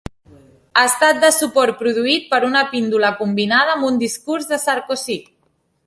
Estat de sopor produït per una píndola combinada amb un discurs de Sarkozy.